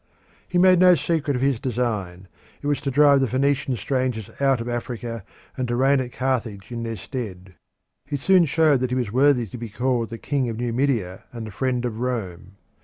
He made no secret of his design; it was to drive the Phoenician strangers out of Africa and to reign at Carthage in their stead. He soon showed that he was worthy to be called the King of Numidia and the Friend of Rome.